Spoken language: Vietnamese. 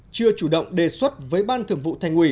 chưa chủ động đề xuất với ban thường vụ thành ủy